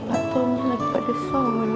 mak turun lagi pada sholat